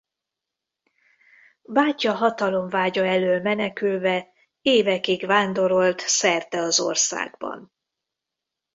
Bátyja hatalomvágya elől menekülve évekig vándorolt szerte az országban.